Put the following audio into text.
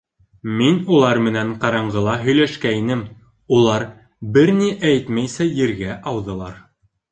Мин улар менән ҡараңғыла һөйләшкәйнем, улар, бер ни әйтмәйсә, ергә ауҙылар.